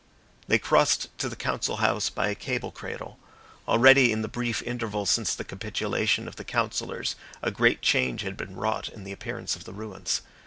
They crossed to the Council House by a cable cradle. Already in the brief interval since the capitulation of the Councillors a great change had been wrought in the appearance of the ruins.